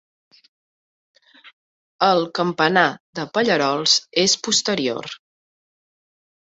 El campanar de Pallerols és posterior.